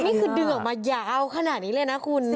นี่คือดึงออกมายาวขนาดนี้เลยนะคุณ